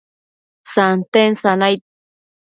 santen sanaid